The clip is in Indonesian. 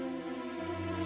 kau mau siapa lagi ini